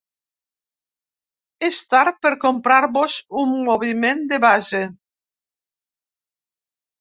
És tard per comprar-vos un moviment de base.